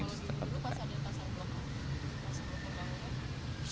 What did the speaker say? kalau dulu pasarnya pasar blok a sebelum pembangunan